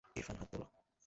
ইরফান হাত তোলো।